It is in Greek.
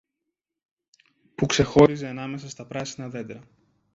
που ξεχώριζε ανάμεσα στα πράσινα δέντρα.